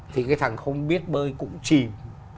thì cái thằng không biết bơi cũng chìm